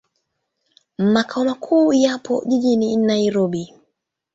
Makao makuu yapo jijini Nairobi.